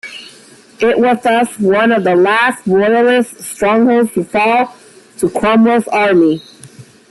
It was thus one of the last Royalist strongholds to fall to Cromwell's army.